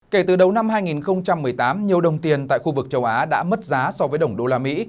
kể từ đầu năm hai nghìn một mươi tám nhiều đồng tiền tại khu vực châu á đã mất giá so với đồng đô la mỹ